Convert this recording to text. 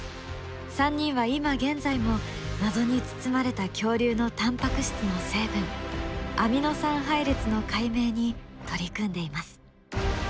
３人は今現在も謎に包まれた恐竜のタンパク質の成分アミノ酸配列の解明に取り組んでいます。